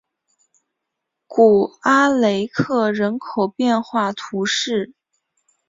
古阿雷克人口变化图示